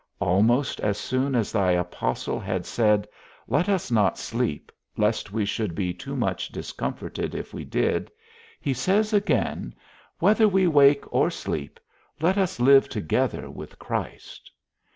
Almost as soon as thy apostle had said, Let us not sleep, lest we should be too much discomforted if we did, he says again, Whether we wake or sleep, let us live together with Christ.